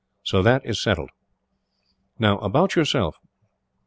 So that is settled. "Now, about yourself.